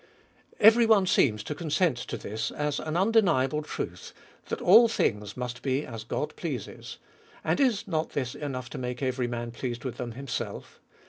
Every one seems to consent to this, as an undeniable truth. That all things must he as God pleases ; and is not this enough to make every man pleased with them himself?